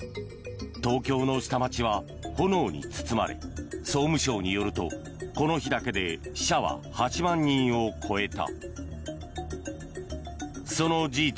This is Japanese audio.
東京の下町は炎に包まれ総務省によるとこの日だけで死者は８万人を超えた。